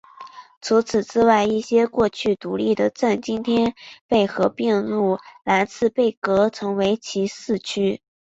除此之外一些过去独立的镇今天被合并入兰茨贝格成为其市区。